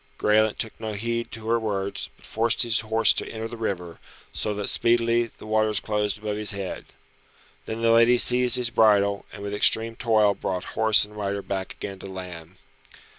Graelent took no heed to her words, but forced his horse to enter the river, so that speedily the waters closed above his head. Then the lady seized his bridle, and with extreme toil brought horse and rider back again to land.